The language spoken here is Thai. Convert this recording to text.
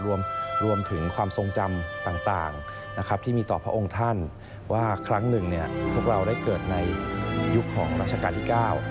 รวมถึงความทรงจำต่างนะครับที่มีต่อพระองค์ท่านว่าครั้งหนึ่งพวกเราได้เกิดในยุคของรัชกาลที่๙